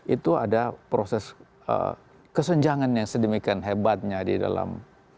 itu ada proses kesenjangan yang sedemikian hebatnya di dalam